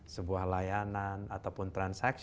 sebuah layanan ataupun transaksi